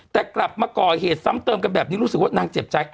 แต่กลับมาก่อเหตุซ้ำเติมกันแบบนี้รู้สึกว่านางเจ็บใจ